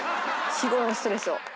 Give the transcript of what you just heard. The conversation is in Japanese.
日頃のストレスを。